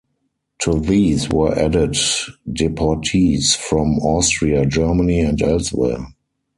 To these were added deportees from Austria, Germany, and elsewhere.